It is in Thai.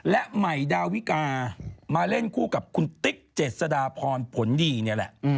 และใหม่ดาวิกามาเล่นคู่กับคุณติ๊กเจษฎาพรผลดีนี่แหละ